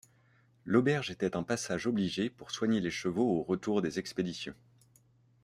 L'auberge était un passage obligé pour soigner les chevaux au retour des expéditions.